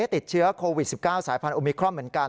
ติดเชื้อโควิด๑๙สายพันธุมิครอนเหมือนกัน